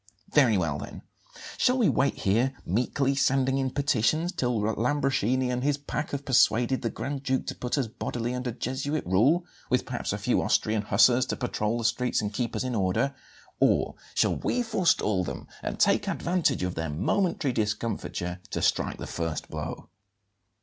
"Very well, then; shall we wait here, meekly sending in petitions, till Lambruschini and his pack have persuaded the Grand Duke to put us bodily under Jesuit rule, with perhaps a few Austrian hussars to patrol the streets and keep us in order; or shall we forestall them and take advantage of their momentary discomfiture to strike the first blow?"